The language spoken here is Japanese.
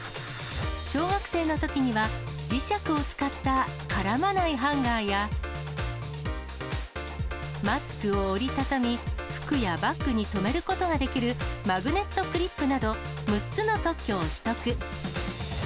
小学生のときには、磁石を使った絡まないハンガーや、マスクを折り畳み、服やバッグにとめることができるマグネットクリップなど、６つの特許を取得。